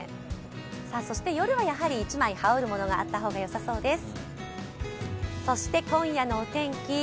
そして夜は１枚羽織るものがあるとよさそうです。